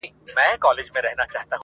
شـیـن بــه شـي پـرهــر د زړه پـوهـېږمـه